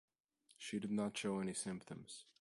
She did not show any symptoms.